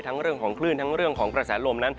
เรื่องของคลื่นทั้งเรื่องของกระแสลมนั้น